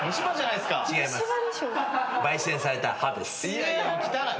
いやいや汚い。